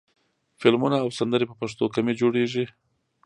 فلمونه او سندرې په پښتو کمې جوړېږي.